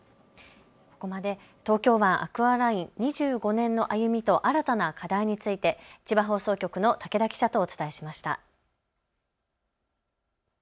ここまで東京湾アクアライン２５年の歩みと新たな課題について千葉放送局の武田記者とお伝えしました。